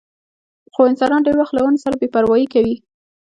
خو انسانان ډېر وخت له ونو سره بې پروايي کوي.